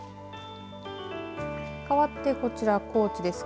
かわって、こちら高知です。